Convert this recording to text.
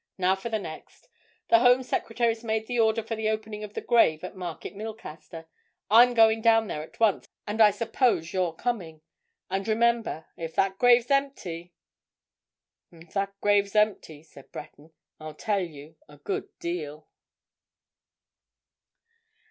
"Now for the next. The Home Secretary's made the order for the opening of the grave at Market Milcaster. I'm going down there at once, and I suppose you're coming. And remember, if that grave's empty——" "If that grave's empty," said Breton, "I'll tell you—a good deal."